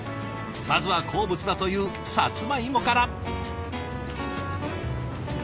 まずは好物だというさつまいもから。